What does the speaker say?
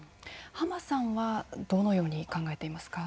浜さんはどのように考えていますか。